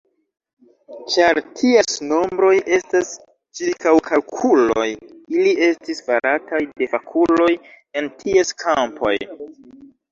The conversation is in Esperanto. Ĉar ties nombroj estas ĉirkaŭkalkuloj, ili estis farataj de fakuloj en ties kampoj.